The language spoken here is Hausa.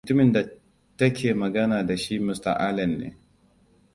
Mutumin da take magana da shi Mr. Allen ne.